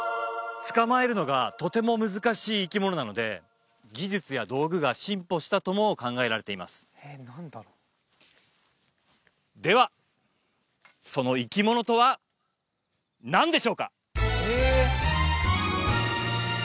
捕まえるのがとても難しい生き物なので技術や道具が進歩したとも考えられていますではその生き物とは何でしょうか？